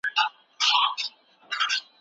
آیا په هلمند کي د کبانو روزنې فارمونه شته؟